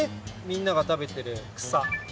みんなが食べているくさ！